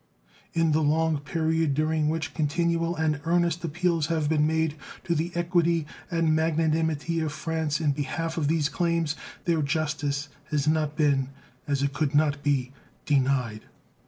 In the long period during which continual and earnest appeals have been made to the equity and magnanimity of France in behalf of these claims their justice has not been, as it could not be, denied.